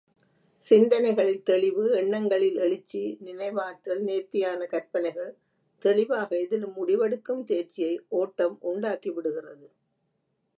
சிந்தனைகளில் தெளிவு, எண்ணங்களில் எழுச்சி, நினைவாற்றல், நேர்த்தியான கற்பனைகள், தெளிவாக எதிலும் முடிவெடுககும் தேர்ச்சியை ஒட்டம் உண்டாக்கிவிடுகிறது.